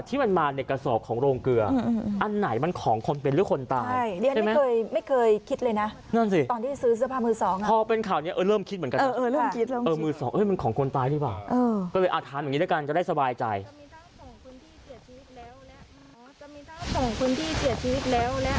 จะมีเท่าของคนที่เสียชีวิตแล้วนะ